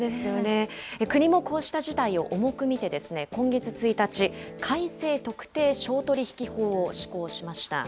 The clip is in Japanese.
国もこうした事態を重く見て、今月１日、改正特定商取引法を施行しました。